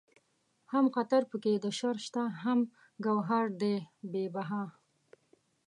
هم خطر پکې د شر شته هم گوهر دئ بې بها